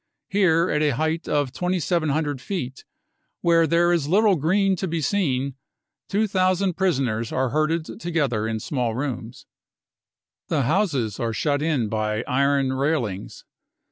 Here, ,at a height of 2,700 feet, where there is little green to be seen, 2,000 prisoners are herded together in small rooms. " The houses are shut in by iron railings.